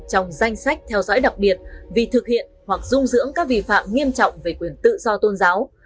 trong danh sách theo dõi đặc biệt vì thực hiện hoặc dung dưỡng các vi phạm nghiêm trọng về quyền tự do tôn giáo